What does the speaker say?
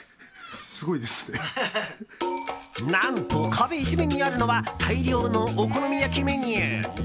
何と、壁一面にあるのは大量のお好み焼きメニュー。